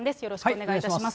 お願いします。